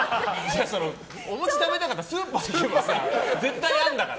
お餅食べたかったらスーパー行けば絶対あるんだから。